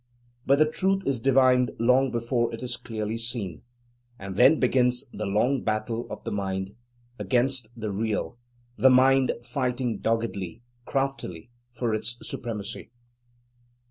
But the truth is divined long before it is clearly seen, and then begins the long battle of the "mind," against the Real, the "mind" fighting doggedly, craftily, for its supremacy.